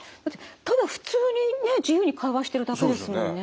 ただ普通にね自由に会話してるだけですもんね。